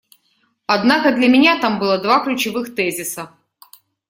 Однако для меня там было два ключевых тезиса.